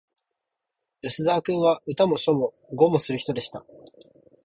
吉沢君は、歌も書も碁もする人でした